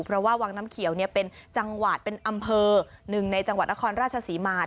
เพราะว่าวังน้ำเขียวเป็นอำเภอ๑ในจังหวัดนครราชศรีมา